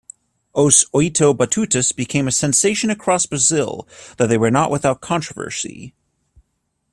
Os Oito Batutas became a sensation across Brasil, though they were not without controversy.